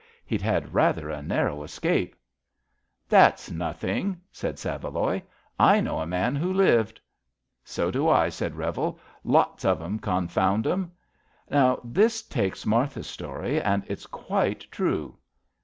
He'd had rather a narrow escape." ^* That's nothing," said Saveloy. I know a man who lived." So do I," said Bevel. Lots of 'em, con found 'em." ^* Now, this takes Martha's story, and it's quite true."